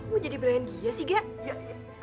mau jadi belayan dia sih gak